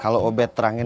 kalau obat terang